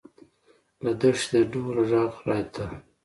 له دښتې د ډول غږ راته.